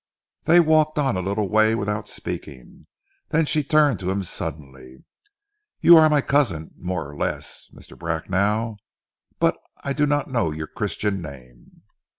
They walked on a little way without speaking, then she turned to him suddenly. "You are my cousin, more or less, Mr. Bracknell, but I do not know your christian name."